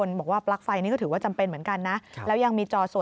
นอกจากนั้นคุณผู้ชมเรื่องของสิ่งอำนวยความสะดวก